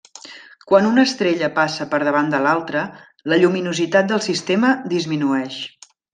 Quan una estrella passa per davant de l'altra, la lluminositat del sistema disminueix.